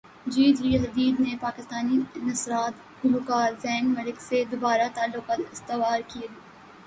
جی جی Hadid نے پاکستانی نژاد گلوکار زین ملک سے دوبارہ تعلقات استوار کرلیے